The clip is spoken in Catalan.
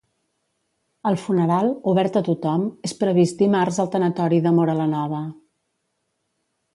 El funeral, obert a tothom, és previst dimarts al tanatori de Móra la Nova.